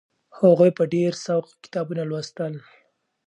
هغوی په ډېر سوق کتابونه لوستل.